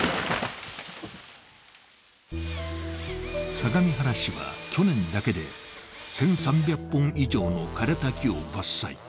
相模原市は、去年だけで１３００本以上の枯れた木を伐採。